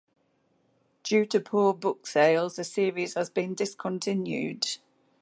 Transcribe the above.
Due to poor book sales, the series has been discontinued.